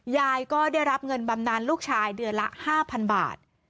ยายก็ได้รับเงินบำนานลูกชายเดือนละ๕๐๐๐บาท